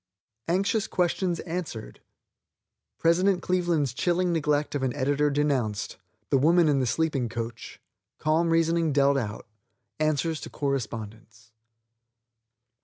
ANXIOUS QUESTIONS ANSWERED. PRESIDENT CLEVELAND'S CHILLING NEGLECT OF AN EDITOR DENOUNCED THE WOMAN IN THE SLEEPING COACH CALM REASONING DEALT OUT. ANSWERS TO CORRESPONDENTS.